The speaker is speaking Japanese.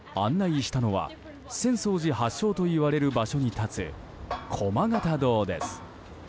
案内したのは浅草寺発祥といわれる場所に立つ駒形堂です。